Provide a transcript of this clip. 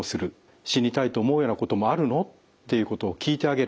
「死にたいと思うようなこともあるの？」っていうことを聞いてあげる。